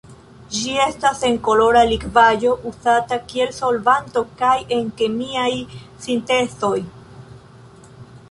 Ĝi estas senkolora likvaĵo uzata kiel solvanto kaj en kemiaj sintezoj.